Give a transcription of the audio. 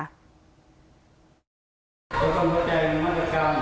แต่นี้เธอพูดอะไรเธอเป็นแค่โรโกโปรดภาพกินเงินเดือนพวกฉัน